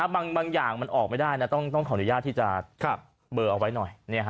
บางอย่างมันออกไม่ได้ต้องขออนุญาตที่จะเบอร์เอาไว้หน่อย